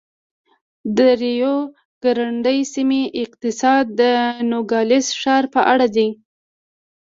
د ریو ګرنډي سیمې اقتصاد د نوګالس ښار په اړه دی.